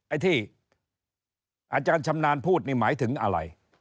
ไอ้ที่อาจารย์ชำนาญพูดนี่หมายถึงอะไร